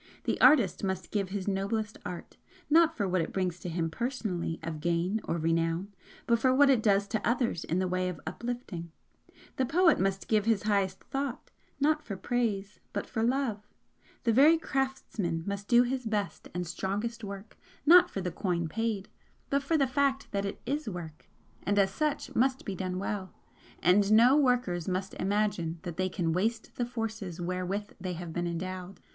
The artist must give his noblest art, not for what it brings to him personally of gain or renown, but for what it does to others in the way of uplifting; the poet must give his highest thought, not for praise, but for love; the very craftsman must do his best and strongest work not for the coin paid, but for the fact that it is work, and as such must be done well and none must imagine that they can waste the forces wherewith they have been endowed.